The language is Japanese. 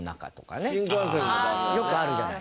よくあるじゃない。